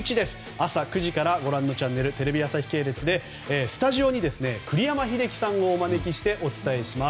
朝９時からご覧のチャンネルテレビ朝日系列でスタジオに栗山英樹さんをお招きしてお伝えします。